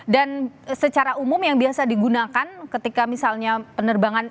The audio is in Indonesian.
dan secara umum yang biasa digunakan ketika misalnya penerbangan